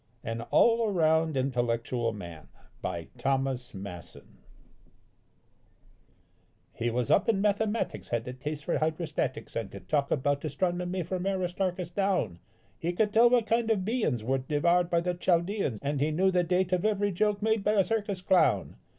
AN ALL AROUND INTELLECTUAL MAN. He was up in mathematics, had a taste for hydrostatics, and could talk about astronomy from Aristarchus down; He could tell what kind of beans were devoured by the Chaldeans, and he knew the date of every joke made by a circus clown.